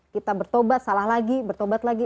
kita bertobat salah lagi bertobat lagi